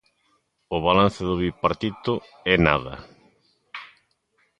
O balance do Bipartito é nada.